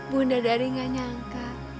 bunda dari tidak menyangka